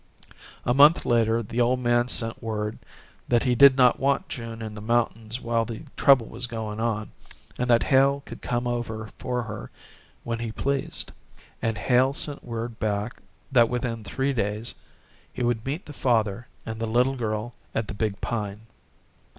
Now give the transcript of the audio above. A month later the old man sent word that he did not want June in the mountains while the trouble was going on, and that Hale could come over for her when he pleased: and Hale sent word back that within three days he would meet the father and the little girl at the big Pine.